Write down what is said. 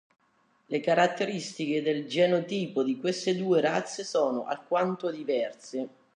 Le caratteristiche del genotipo di queste due razze sono alquanto diverse.